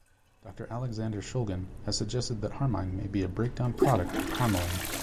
Doctor Alexander Shulgin has suggested that harmine may be a breakdown product of harmaline.